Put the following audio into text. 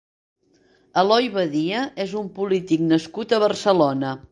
Eloi Badia és un polític nascut a Barcelona.